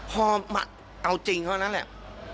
พ่อเอาจริงเพราะฉะนั้นแหละ